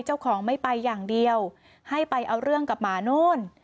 เจ้าของไม่ไปอย่างเดียวให้ไปเอาเรื่องกับหมานู่น